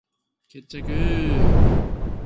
決着ゥゥゥゥゥ！